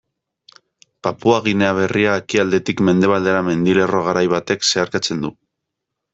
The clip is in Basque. Papua Ginea Berria ekialdetik mendebaldera mendilerro garai batek zeharkatzen du.